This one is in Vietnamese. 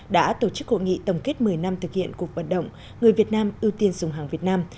đã tổ chức hội nghị tổng kết một mươi năm thực hiện cuộc vận động người việt nam ưu tiên dùng hàng việt nam